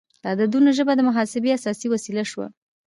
د عددونو ژبه د محاسبې اساسي وسیله شوه.